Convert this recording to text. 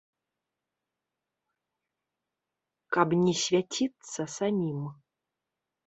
Каб не свяціцца самім.